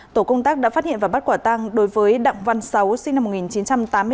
tổ công tác đã phát hiện và bắt quả tăng đối với đặng văn sáu sinh năm một nghìn chín trăm tám mươi bốn